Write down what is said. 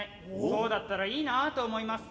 そうだったらいいなあと思います」。